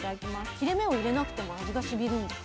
切れ目を入れなくても味がしみるんです。